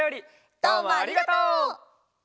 どうもありがとう！